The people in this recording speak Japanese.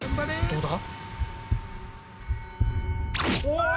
どうだ？